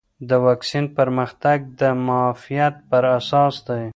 د واکسین پرمختګ د معافیت پر اساس دی.